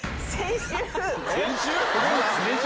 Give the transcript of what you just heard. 先週？